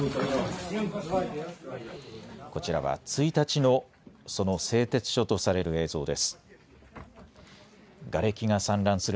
こちらは１日の、その製鉄所とされる映像です。